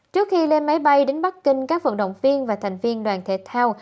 trước khi lên máy bay đến bắc kinh các vận động viên và thành viên đoàn thể thao